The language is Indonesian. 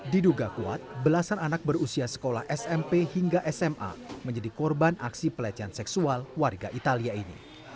diduga kuat belasan anak berusia sekolah smp hingga sma menjadi korban aksi pelecehan seksual warga italia ini